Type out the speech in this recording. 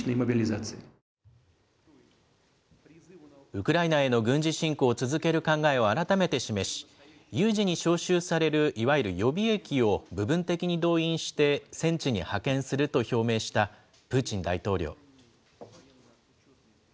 ウクライナへの軍事侵攻を続ける考えを改めて示し、有事に招集されるいわゆる予備役を、部分的に動員して戦地に派遣すると表明したプーチン大統領。